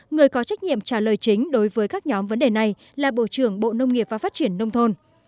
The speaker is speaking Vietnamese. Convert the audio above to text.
người có trách nhiệm trả lời chính đối với các nhóm vấn đề này là bộ trưởng bộ nông nghiệp và phát triển nông thôn